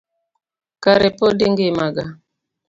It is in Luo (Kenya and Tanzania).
Kare pod ingima gaa?